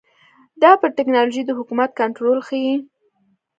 دا پر ټکنالوژۍ د حکومت کنټرول ښيي.